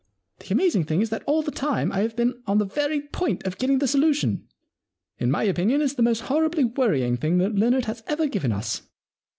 The amazing thing is that all the time I have been on the very point of getting the solution. In my opinion it's the most horribly worrying thing that Leonard has ever given us.'